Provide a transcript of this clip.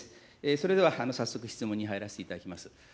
それでは早速、質問に入らせていただきます。